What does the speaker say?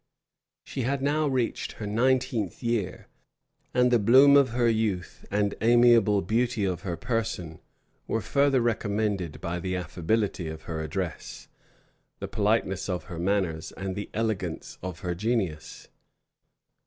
She had now reached her nineteenth year; and the bloom of her youth and amiable beauty of her person were further recommended by the affability of her address, the politeness of her manners, and the elegance of her genius.